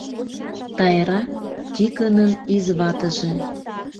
Тайра, Тикынын изватыже.